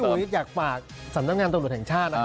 พี่บอวิทย์อยากฝากสันตำงันตนโลศแห่งชาติ